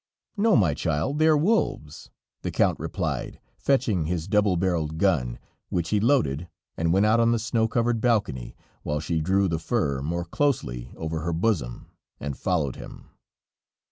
"No, my child, they are wolves," the Count replied, fetching his double barreled gun, which he loaded, and went out on the snow covered balcony, while she drew the fur more closely over her bosom, and followed him.